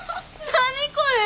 何これ！